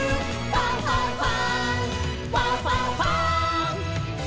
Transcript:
ファンファンファン！」